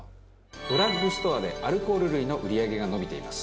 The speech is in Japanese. ドラッグストアでアルコール類の売り上げが伸びています。